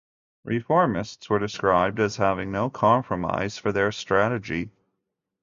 Reformists were described as having no compromise for their strategy.